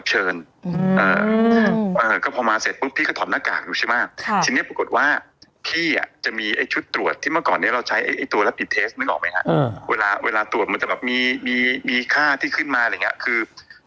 ที่ม่ะก่อนเนี้ยเราใช้ไอตัวระบิเทสมึงออกไหมฮะเวลาเวลาตรวจมันจะแบบมีมีค่าที่ขึ้นมาแล้วเงี้ย